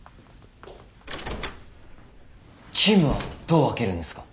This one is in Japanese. チームはどう分けるんですか？